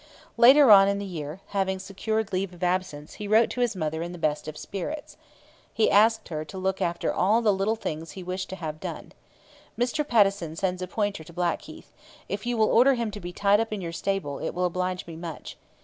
Later on in the year, having secured leave of absence, he wrote to his mother in the best of spirits. He asked her to look after all the little things he wished to have done. 'Mr Pattison sends a pointer to Blackheath; if you will order him to be tied up in your stable, it will oblige me much.